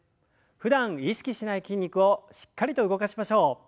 ふだん意識しない筋肉をしっかりと動かしましょう。